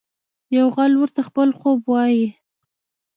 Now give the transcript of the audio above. یو غل ورته خپل خوب وايي.